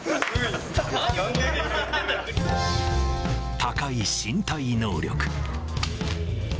高い身体能力。